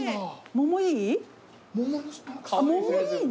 桃いいね。